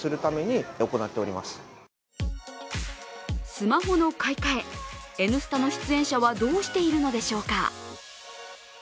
スマホの買い替え、「Ｎスタ」の出演者はどうしているのでしょうか。